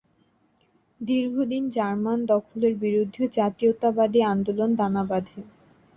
দীর্ঘদিন জার্মান দখলের বিরুদ্ধে জাতীয়তাবাদী আন্দোলন দানা বাঁধে।